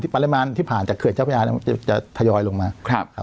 ปริมาณที่ผ่านจากเขื่อนเฉพาะยาจะถยอยลงมา